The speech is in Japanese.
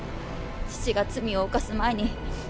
父が罪を犯す前に